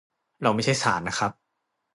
เราไม่ใช่ศาลนะครับ